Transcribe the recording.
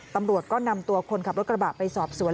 ตำรวจก็นำตัวคนขับรถกระบะไปสอบสวน